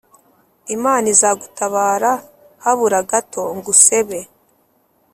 Imana izagutabara haburagato ngo usebe